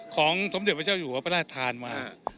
ของสมเดรประเจ้ายูหัวประทานของพระราชธาน